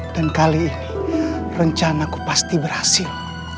dan kali ini rencanaku pasti berhasil